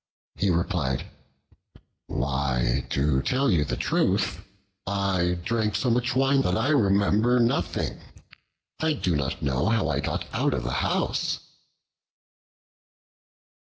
He replied, "Why, to tell you the truth, I drank so much wine that I remember nothing. I do not know how I got out of the house."